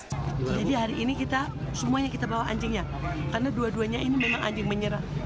jadi hari ini kita semuanya kita bawa anjingnya karena dua duanya ini memang anjing menyerah